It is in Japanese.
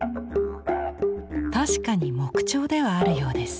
確かに木彫ではあるようです。